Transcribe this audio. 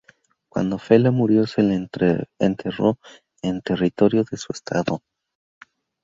Cuando Fela murió se le enterró en territorio de su "Estado".